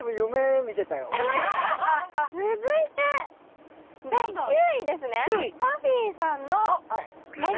続いて第９位ですねあ